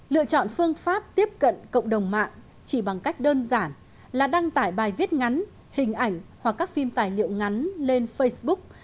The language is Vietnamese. lựa chọn phương pháp tiếp cận cộng đồng mạng chỉ bằng cách đơn giản là đăng tải bài viết ngắn hình ảnh hoặc các phim tài liệu ngắn lên facebook